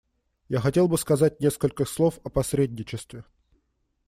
Я хотел бы сказать несколько слов о посредничестве.